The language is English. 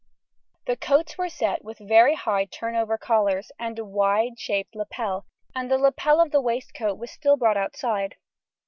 _] The coats were set with very high turn over collars and a wide shaped lapel, and the lapel of the waistcoat was still brought outside.